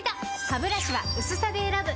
ハブラシは薄さで選ぶ！